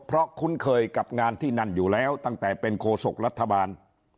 เพราะคุ้นเคยกับงานที่นั่นอยู่แล้วตั้งแต่เป็นโคศกรัฐบาล